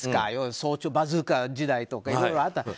早朝バズーカとかいろいろあったけど。